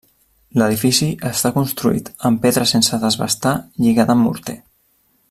L'edifici està construït amb pedra sense desbastar lligada amb morter.